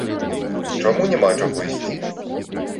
Чаму няма чаго ісці?